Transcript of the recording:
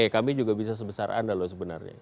kami juga bisa sebesaran lho sebenarnya